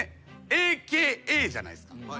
Ａ・Ｋ・Ａじゃないですか。